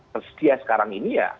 tersedia sekarang ini ya